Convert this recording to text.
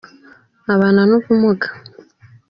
abana n'ubumuga.